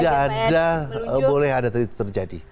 tidak ada boleh ada terjadi